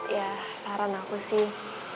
ya saran aku sih